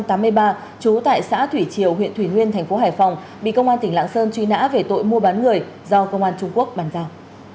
trú tại xã thủy triều huyện thủy nguyên thành phố hải phòng bị công an tỉnh lạng sơn truy nã về tội mua bán người do công an trung quốc bàn giao